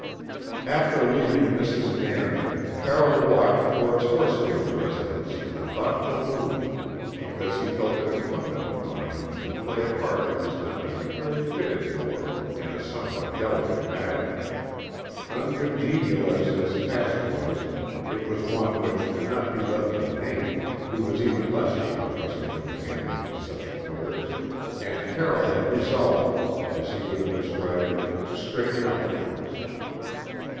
After leaving Mrs. Nairn, Carroll walked towards Horsfield's residence in a thoughtful mood, because he felt it incumbent upon him to play a part he was not particularly fitted for in a somewhat delicate matter. Uncongenial as his task was, it was one which could not be left to Vane, who was even less to be trusted with the handling of such affairs; and Carroll had resolved, as he would have described it, to straighten out things.